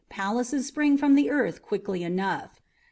Palaces spring from the earth quickly enough."